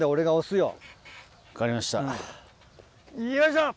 よいしょ！